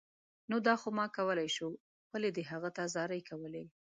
نو دا خو ما کولای شو، ولې دې هغه ته زارۍ کولې